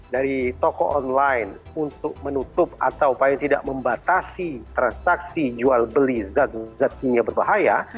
dari toko online untuk menutup atau paling tidak membatasi transaksi jual beli zat kimia berbahaya